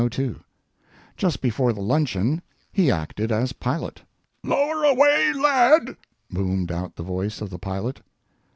Just before the luncheon he acted as pilot. "Lower away lead!" boomed out the voice of the pilot.